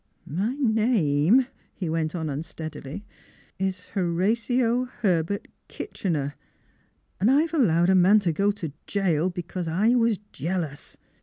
" My name," he went on unsteadily, " is Horatio Herbert Kitchener, and IVe allowed a man to go to jail because I was jealous.